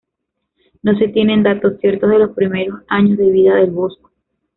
No se tienen datos ciertos de los primeros años de vida del Bosco.